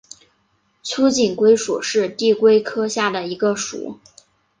粗颈龟属是地龟科下的一个属。